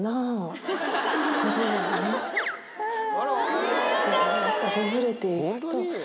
ほぐれて行くと。